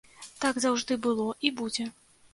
Так заўжды было і будзе.